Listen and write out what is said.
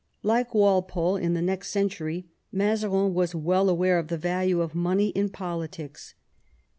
Like Walpole in the next century, Mazarin was well aware of the value of money in politics.